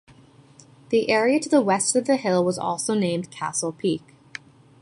The area to the west of the hill was also named Castle Peak.